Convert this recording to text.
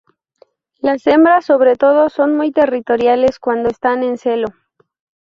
Las hembras sobre todo son muy territoriales cuando están en celo.